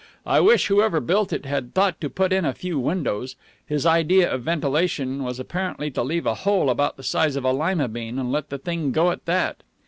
I wish whoever built it had thought to put in a few windows. His idea of ventilation was apparently to leave a hole about the size of a lima bean and let the thing go at that."